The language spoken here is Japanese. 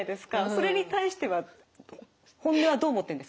それに対しては本音はどう思ってるんですか？